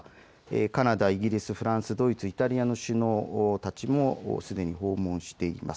カナダ、イギリス、フランス、ドイツ、イタリアの首脳たちもすでに訪問しています。